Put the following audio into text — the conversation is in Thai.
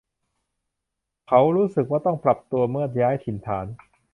เขารู้สึกว่าต้องปรับตัวเมื่อย้ายถิ่นฐาน